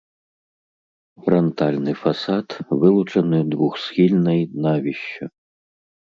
Франтальны фасад вылучаны двухсхільнай навіссю.